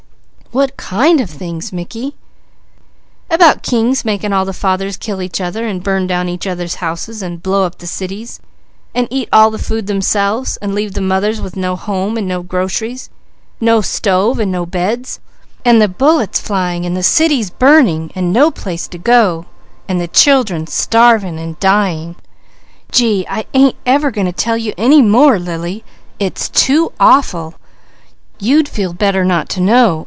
"What kind of things, Mickey?" "About kings making all the fathers kill each other, and burn down each other's houses, and blow up the cities, and eat all the food themselves, and leave the mothers with no home, and no groceries, and no stove, and no beds, and the bullets flying, and the cities burning, and no place to go, and the children starving and dying Gee, I ain't ever going to tell you any more, Lily! It's too awful! You'd feel better not to know.